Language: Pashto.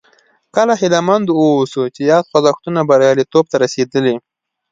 کله هیله مند واوسو چې یاد خوځښتونه بریالیتوب ته رسېدلي.